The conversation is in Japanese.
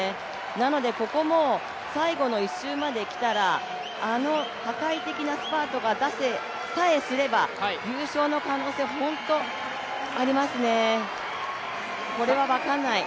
なのでここも最後の１周まできたらあの破壊的なスパートが出せさえすれば優勝の可能性、本当にありますね、これは分からない。